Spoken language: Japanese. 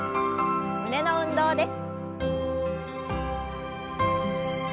胸の運動です。